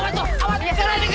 awet keranik keranik